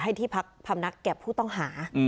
ให้ที่พักพรรมนักแก่ผู้ต้องหา